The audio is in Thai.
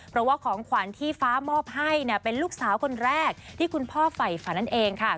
เพราะว่าของขวัญที่ฟ้ามอบให้เป็นลูกสาวคนแรกที่คุณพ่อไฝฝันนั่นเองค่ะ